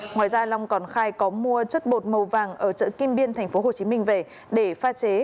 ngoài ra long còn khai có mua chất bột màu vàng ở chợ kim biên tp hcm về để pha chế